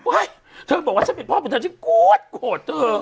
โอ๊ยเธอบอกว่าฉันเป็นพ่อเป็นเธอฉันกู๊ดโหดเธอ